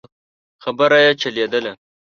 خبره يې چلېدله.